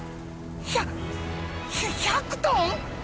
ひゃ１００トン！？